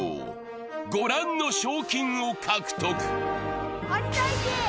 ご覧の賞金を獲得。